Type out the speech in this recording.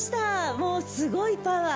もうすごいパワー。